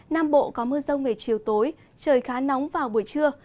nam bộ có mưa rông về chiều tối trời khá nóng vào buổi trưa